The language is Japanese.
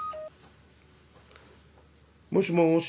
もしもし。